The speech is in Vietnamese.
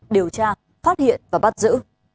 điều tra phát hiện và bắt giữ